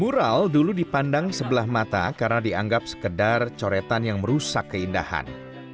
mural dulu dipandang sebelah mata karena dianggap sekedar coretan yang merusak keindahan